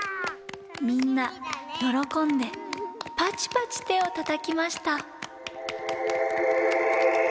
みんなよろこんでパチパチてをたたきました。